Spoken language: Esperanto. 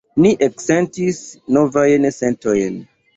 Ni eksentis novajn sentojn.